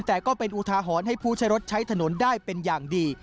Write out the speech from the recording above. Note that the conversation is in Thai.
แต่ก็เป็นอุทาหรณ์ให้ผู้ใช้รถใช้ถนนได้เป็นอย่างดี